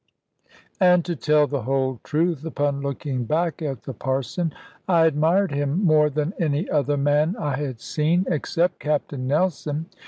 And to tell the whole truth, upon looking back at the Parson, I admired him more than any other man I had seen, except Captain Nelson.